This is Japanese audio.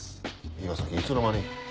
伊賀崎いつの間に。